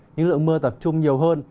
nhưng lượng mưa tập trung nhiều hơn